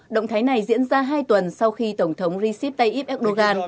động thái này diễn ra hai tuần sau khi tổng thống recep tayyip erdogan